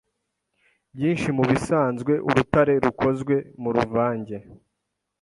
Byinshi mubisanzwe urutare rukozwe muruvange